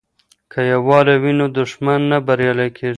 که یووالی وي نو دښمن نه بریالی کیږي.